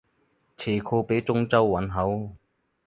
詞庫畀中州韻好